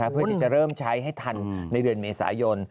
เพื่อที่จะเริ่มใช้ให้ทันในเดือนเมษายน